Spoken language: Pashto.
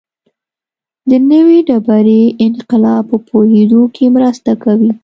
د نوې ډبرې انقلاب په پوهېدو کې مرسته کوي.